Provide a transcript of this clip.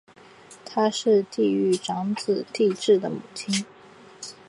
她是帝喾长子帝挚的母亲。